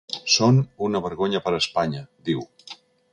Són una vergonya per a Espanya, diu.